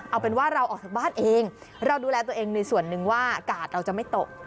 เอาเป็นว่าเราออกจากบ้านเองเราดูแลตัวเองในส่วนหนึ่งว่ากาดเราจะไม่ตก